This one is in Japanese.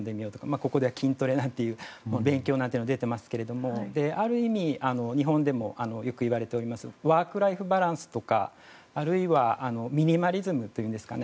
ここでは筋トレなんていう勉強なんていうのも出てますがある意味、日本でもよく言われているワーク・ライフ・バランスとかあるいはミニマリズムというんですかね。